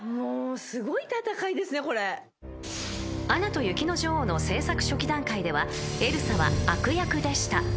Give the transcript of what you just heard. ［『アナと雪の女王』の製作初期段階ではエルサは悪役でした］